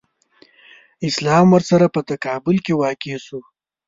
اسلام ورسره په تقابل کې واقع شو.